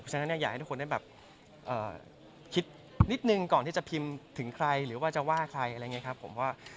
ฉะนั้นอยากให้ทุกคนได้แบบคิดนิดนึงก่อนที่จะพิมพ์ถึงใครหรือว่าจะว่าใครอะไรอย่างนี้ครับผมว่า